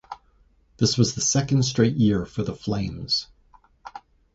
This was the second straight year for the Flames.